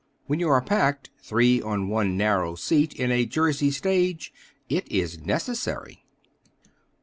When you are packed, three on one narrow seat, in a Jersey stage, it is necessary.